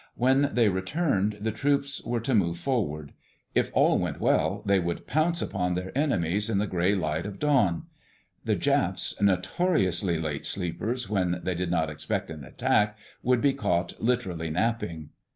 When they returned, the troops were to move forward. If all went well they would pounce upon their enemies in the first gray light of dawn. The Japs, notoriously late sleepers when they did not expect an attack, would be caught literally napping.